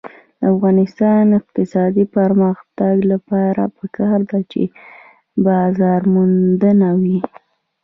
د افغانستان د اقتصادي پرمختګ لپاره پکار ده چې بازارموندنه وي.